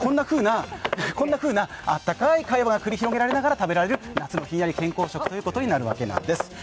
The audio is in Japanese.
こんなふうな、あったかいか会話が繰り広げられながら食べられる夏のひんやり健康食ということになるわけです。